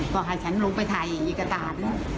ก็หากฉันลงไปถ่ายที่กระตาน